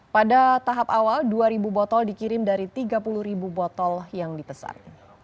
pada tahap awal dua botol dikirim dari tiga puluh botol yang ditesan